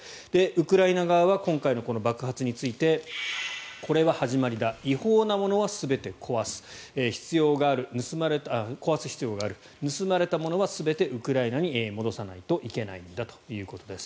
ウクライナ側は今回の爆発についてこれは始まりだ違法なものは全て壊す必要がある盗まれたものは全てウクライナに戻さないといけないんだということです。